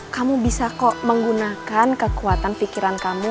kamu bisa kok menggunakan kekuatan pikiran kamu